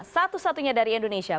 satu satunya dari indonesia